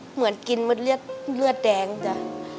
เหมือนกินเลือดแดงจ้ะ